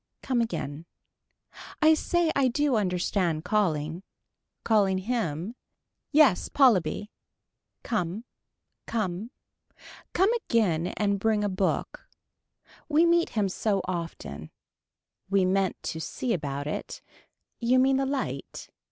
Come again. I say I do understand calling. Calling him. Yes Polybe. Come. Come. Come again and bring a book. We meet him so often. We meant to see about it. You mean the light.